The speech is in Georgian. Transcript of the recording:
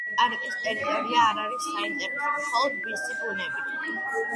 ეროვნული პარკის ტერიტორია არ არის საინტერესო მხოლოდ მისი ბუნებით.